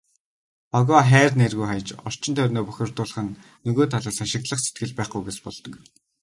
Хогоо хайр найргүй хаяж, орчин тойрноо бохирдуулах нь нөгөө талаас ашиглах сэтгэл байхгүйгээс болдог.